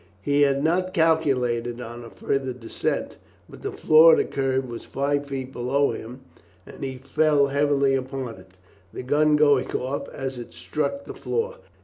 He had not calculated on a further descent, but the floor of the cave was five feet below him, and he fell heavily upon it, the gun going off as it struck the floor.